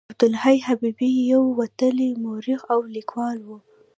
عبدالحي حبیبي یو وتلی مورخ او لیکوال و.